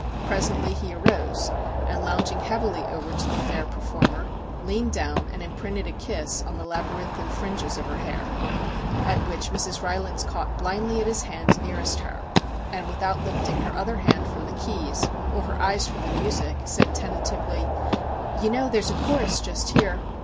Presently he arose, and lounging heavily over to the fair performer, leaned down and im printed a kiss on the labyrinthine fringes of her hair. At which Mrs. Rylands caught blindly at his hand nearest her, and without lifting her other hand from the keys, or her eyes from the music, said tentatively 1 You know there 's a chorus just here